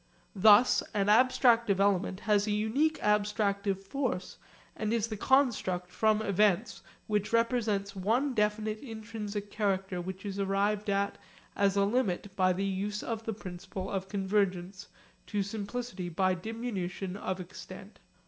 Thus an abstractive element has a unique abstractive force and is the construct from events which represents one definite intrinsic character which is arrived at as a limit by the use of the principle of convergence to simplicity by diminution of extent.